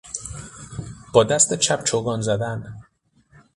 با دست چپ چوگان زدن